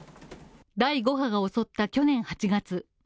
第５波が襲った去年８月。